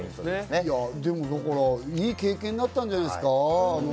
でも、いい経験だったんじゃないですか？